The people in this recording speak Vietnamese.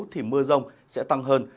thì mưa rông sẽ tăng hơn